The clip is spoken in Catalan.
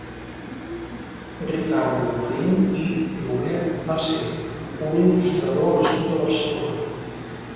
Ricardo Marín i Llovet va ser un il·lustrador nascut a Barcelona.